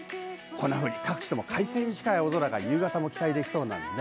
各地とも快晴に近い青空が夕方も期待できそうです。